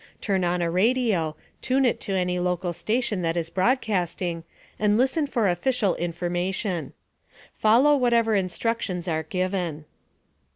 Turn on a radio, tune it to any local station that is broadcasting, and listen for official information. Follow whatever instructions are given.